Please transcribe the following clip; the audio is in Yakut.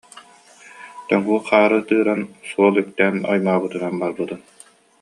Тоҥуу хаары тыыран, суол үктээн оймообутунан барбытым